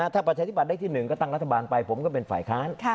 ถ้าประชาธิบัตย์ได้ที่๑ก็ตั้งรัฐบาลไปผมก็เป็นฝ่ายค้าน